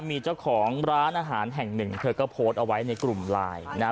มีเจ้าของร้านอาหารแห่งหนึ่งเธอก็โพสต์เอาไว้ในกลุ่มไลน์นะ